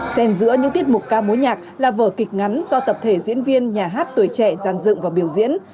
xen giữa những tiết mục ca mối nhạc là vở kịch ngắn do tập thể diễn viên nhà hát tuổi trẻ giàn dựng và biểu diễn